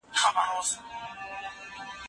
اوس ماشومان وینم له پلاره سره لوبي کوي